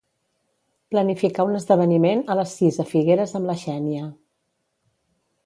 Planificar un esdeveniment a les sis a Figueres amb la Xènia.